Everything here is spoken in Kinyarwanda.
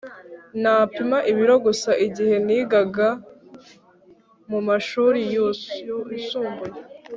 Napima ibiro gusa igihe nigaga mumashuri yisumbuye